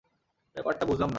ব্যাপারটা বুঝলাম না।